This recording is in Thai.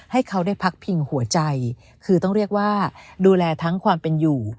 ให้เขาได้พักพิงหัวใจคือต้องเรียกว่าดูแลทั้งความเป็นอยู่